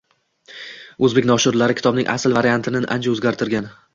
Oʻzbek noshirlari kitobning asl variantini ancha oʻzgartgan